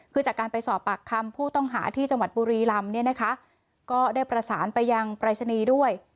คือจากการไปสอบปากคำผู้ต้องหาที่จังหวัดปุรีรำก็ได้ประสานไปยังปรัชนีด้วย